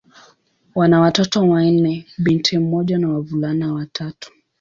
Wana watoto wanne: binti mmoja na wavulana watatu.